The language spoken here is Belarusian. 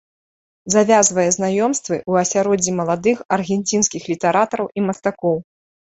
Завязвае знаёмствы ў асяроддзі маладых аргенцінскіх літаратараў і мастакоў.